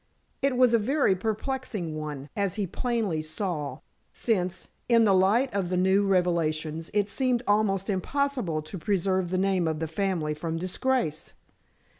It was a very perplexing one, as he plainly saw, since, in the light of the new revelations, it seemed almost impossible to preserve the name of the family from disgrace.